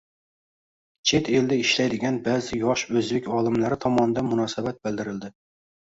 chet elda ishlaydigan ba’zi yosh o‘zbek olimlari tomonidan munosabat bildirildi.